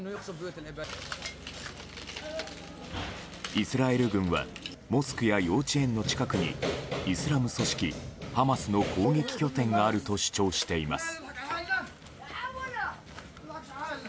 イスラエル軍はモスクや幼稚園の近くにイスラム組織ハマスの攻撃拠点があると主張しています。